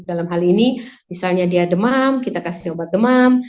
dalam hal ini misalnya dia demam kita kasih obat demam